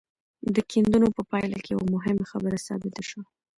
د کيندنو په پايله کې يوه مهمه خبره ثابته شوه.